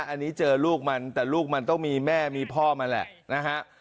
อันนี้เจอลูกมันแต่ลูกมันต้องมีแม่มีพ่อมันแหละนะฮะ